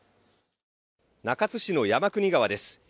中津市の山国川です。